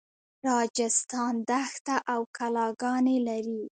راجستان دښته او کلاګانې لري.